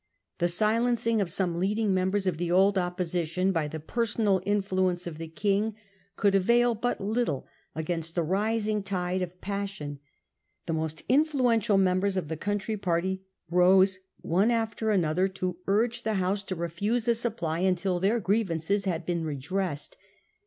The silencing of some leading members of the old Opposition by the personal influence of the King could avail but little against the rising tide MM. Q 226 The Parliamentary Conflict in England. 1674. of passion. The most influential members of the country party rose one after another to urge the House to refuse a supply until their grievances mad been redressed.